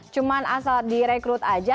cuma asal direkrut saja